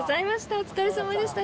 お疲れさまでした。